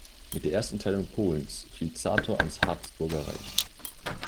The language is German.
Mit der Ersten Teilung Polens fiel Zator ans Habsburger Reich.